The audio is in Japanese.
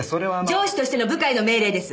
上司としての部下への命令です！